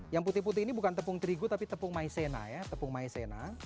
yang putih putih ini bukan tepung terigu tapi tepung maizena ya tepung maizena